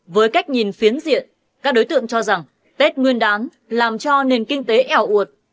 với cách nhìn phiến diện các đối tượng cho rằng tết nguyên đán làm cho nền kinh tế ảo uột